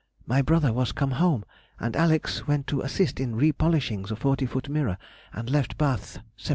My brother was come home, and Alex. went to assist in re polishing the forty foot mirror, and left Bath Sept.